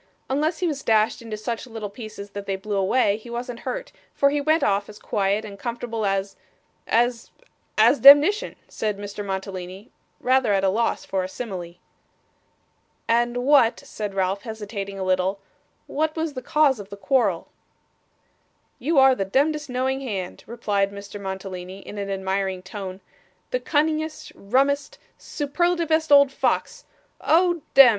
'Unless he was dashed into such little pieces that they blew away, he wasn't hurt, for he went off as quiet and comfortable as as as demnition,' said Mr. Mantalini, rather at a loss for a simile. 'And what,' said Ralph, hesitating a little, 'what was the cause of quarrel?' 'You are the demdest, knowing hand,' replied Mr. Mantalini, in an admiring tone, 'the cunningest, rummest, superlativest old fox oh dem!